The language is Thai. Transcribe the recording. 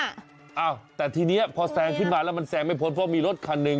อ้าวแต่ทีนี้พอแซงขึ้นมาแล้วมันแซงไม่พ้นเพราะมีรถคันหนึ่ง